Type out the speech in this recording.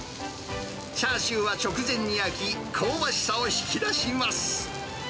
チャーシューは直前に焼き、香ばしさを引き出します。